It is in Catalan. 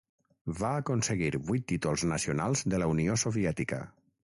Va aconseguir vuit títols nacionals de la Unió Soviètica.